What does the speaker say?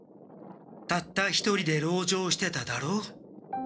たった一人で籠城してただろう？